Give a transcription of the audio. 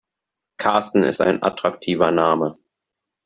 Karsten ist ein attraktiver Name.